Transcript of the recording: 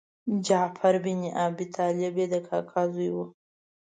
جعفر بن ابي طالب یې د کاکا زوی و.